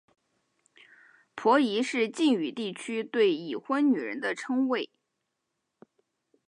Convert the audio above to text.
婆姨是晋语地区对已婚女人的称谓。